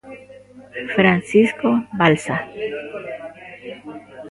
Francisco Balsa.